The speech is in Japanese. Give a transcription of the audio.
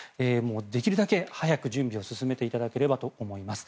できるだけ早く準備を進めていただければと思います。